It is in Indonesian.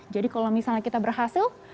jadi kalau misalnya kita berhasil